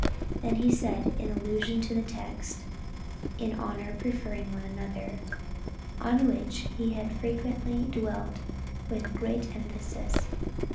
This he said in allusion to the text, "In honor preferring one another," on which he had frequently dwelt with great emphasis.